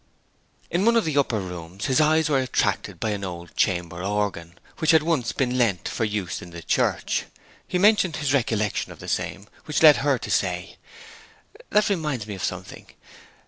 In one of the upper rooms his eyes were attracted by an old chamber organ, which had once been lent for use in the church. He mentioned his recollection of the same, which led her to say, 'That reminds me of something.